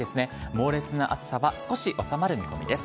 猛烈な暑さは少し収まる見込みです。